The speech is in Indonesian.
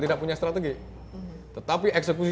tidak punya strategi tetapi eksekusi